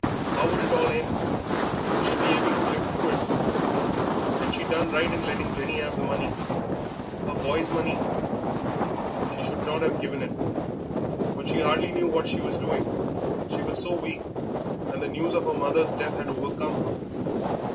How would it all end? Would she be able to live through it? Had she done right in letting Jenny have the money her boy's money? She should not have given it; but she hardly knew what she was doing, she was so weak, and the news of her mother's death had overcome her.